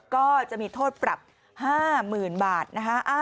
ก็จะมีโทษปรับ๕๐๐๐๐บาทนะคะ